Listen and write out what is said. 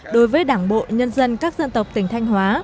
đối với đảng bộ nhân dân các dân tộc tỉnh thanh hóa